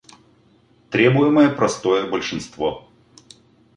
Требуемое простое большинство.